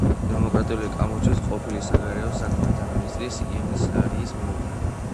დემოკრატიული კამპუჩიის ყოფილი საგარეო საქმეთა მინისტრის იენგ სარის მეუღლე.